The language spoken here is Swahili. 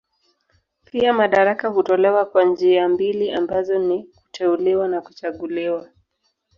Pia madaraka hutolewa kwa njia mbili ambazo ni kuteuliwa na kuchaguliwa.